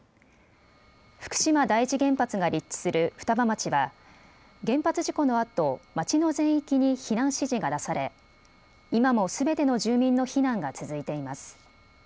福島第一原発が立地する双葉町は原発事故のあと、町の全域に避難指示が出され今もすべての住民の避難が続いています。